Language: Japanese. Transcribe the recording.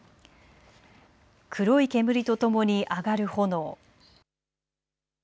黒い煙とともに上がる炎。